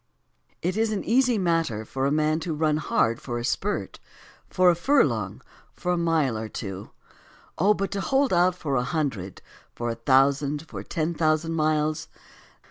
It is an easy matter for a man to run hard for a spurt, for a furlong, for a mile or two : Oh, but to hold out for a hundred, for a thousand, for ten thousand miles